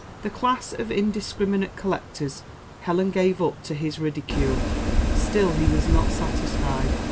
'" That class of indiscriminate collectors Helen gave up to his ridicule; still he was not satisfied.